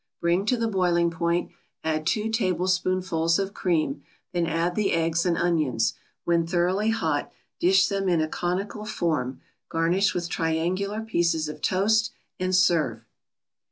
Bring to the boiling point, add two tablespoonfuls of cream; then add the eggs and onions. When thoroughly hot, dish them in a conical form, garnish with triangular pieces of toast, and serve.